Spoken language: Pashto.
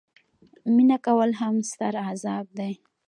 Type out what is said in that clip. مینه کول هم ستر عذاب دي.